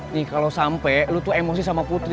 nih kalau sampai lu tuh emosi sama putri